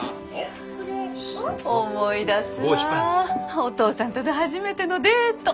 思い出すわおとうさんとの初めてのデート。